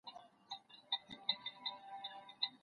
هغه لیکني چي له خرافاتو ډکي وي علمي ارزښت نلري.